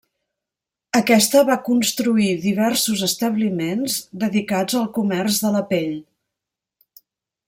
Aquesta va construir diversos establiments dedicats al comerç de la pell.